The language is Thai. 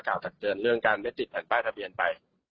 เก่าถัดเจือนเรื่องการเมตติดแผ่นป้ายทะเบียนไป